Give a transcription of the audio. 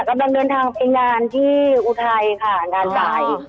ก็เป็นเดินทางไปงานที่อุทัยค่ะงานสาย